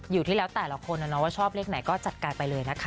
อยู่ที่แล้วแต่ละคนนะว่าชอบเลขไหนก็จัดการไปเลยนะคะ